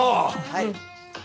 はい！